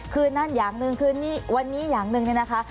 คืนนั้นอย่างหนึ่งคืนนี้วันนี้อย่างหนึ่งเนี่ยนะคะ